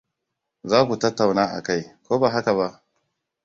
Za ku tattauna akai, ko ba haka ba?